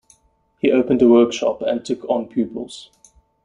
He opened a workshop and took on pupils.